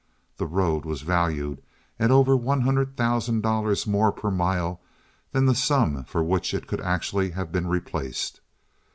The road was valued at over one hundred thousand dollars more per mile than the sum for which it could actually have been replaced.